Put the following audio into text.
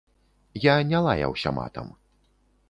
Я не лаяўся матам.